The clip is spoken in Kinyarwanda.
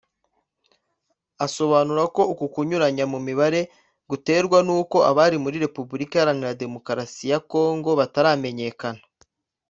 asobanura ko uku kunyuranya mu mibare guterwa n’uko abari muri Repubulika Iharanira Demokarasi ya Congo bataramenyekana